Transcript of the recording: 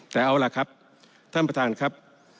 แต่เอาล่ะครับท่านประธานครับ